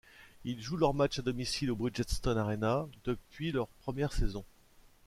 Ils jouent leurs matchs à domicile au Bridgestone Arena, depuis leur première saison.